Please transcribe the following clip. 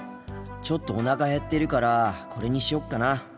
ちょっとおなかへってるからこれにしよっかな。